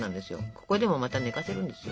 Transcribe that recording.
ここでもまた寝かせるんですよ。